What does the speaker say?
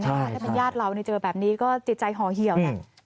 ถ้าเป็นญาติเราเจอแบบนี้ก็จิตใจห่อเหี่ยวนะ